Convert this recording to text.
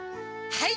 はい！